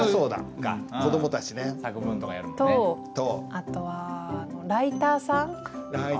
あとはライターさん。